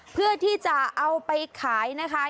เพื่อที่จะเอาไปขายนะคะ